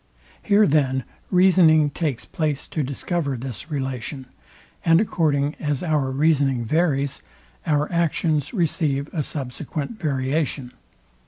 Here then reasoning takes place to discover this relation; and according as our reasoning varies, our actions receive a subsequent variation.